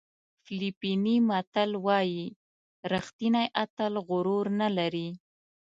فلپیني متل وایي ریښتینی اتل غرور نه لري.